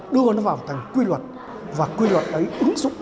đưa nó vào thành quy luật và quy luật ấy ứng dụng